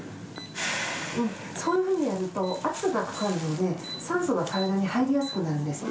そういうふうにやると、圧がかかるので、酸素が体に入りやすくなるんです。